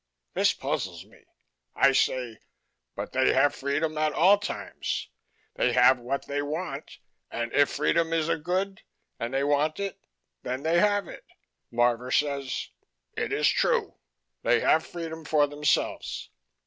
This puzzles me. I say: "But they have freedom at all times. They have what they want, and if freedom is a good, and they want it, then they have it." Marvor says: "It is true. They have freedom for themselves."